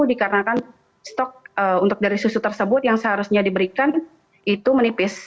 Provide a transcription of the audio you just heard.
dikarenakan stok untuk dari susu tersebut yang seharusnya diberikan itu menipis